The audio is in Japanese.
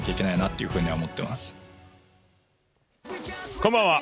こんばんは。